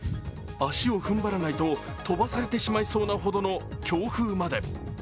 足を踏ん張らないと、飛ばされてしまいそうなほどの強風まで。